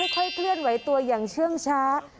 ค่อยเคลื่อนไหวตัวอย่างเชื่องช้า